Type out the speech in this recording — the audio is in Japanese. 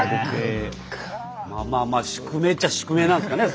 まあまあ宿命っちゃ宿命なんすかね